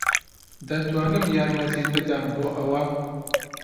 دەتوانم یارمەتیت بدەم بۆ ئەوە؟